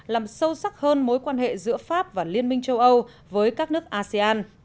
làm sâu sắc hơn mối quan hệ giữa pháp và liên minh châu âu với các nước asean